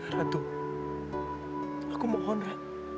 ratu aku mohon ra